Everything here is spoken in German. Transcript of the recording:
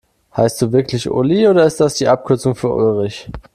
Heißt du wirklich Uli, oder ist das die Abkürzung für Ulrich?